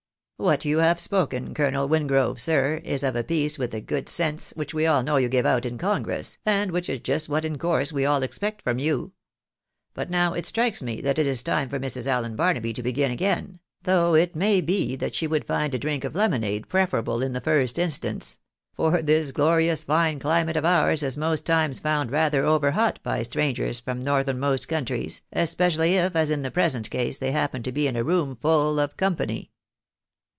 " What you have spoken. Colonel Wingrove, sir, is of a piece with the good sense which we all know you give out in congress, and which is just what in course we all expect from you. But now it strikes me that it is time for Mrs. Allen Barnaby to begin again ; though it may be that she would find a drink of lemonade prefer able in the first instance ; for this glorious fine climate of ours is most times found rather over hot by strangers from northernmost countries, especially if, as in the present case, they happen to be in a room full of company."